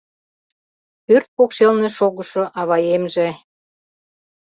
Пӧрт покшелне шогышо аваемже -